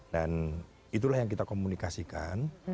dan itulah yang kita komunikasikan